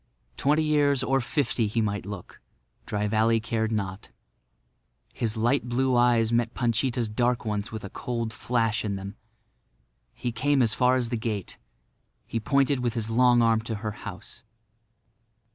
Twenty years or fifty he might look; Dry Valley cared not. His light blue eyes met Panchita's dark ones with a cold flash in them. He came as far as the gate. He pointed with his long arm to her house.